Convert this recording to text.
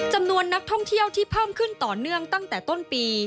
จำนวนนักท่องเที่ยวที่เพิ่มขึ้นต่อเนื่องตั้งแต่ต้นปี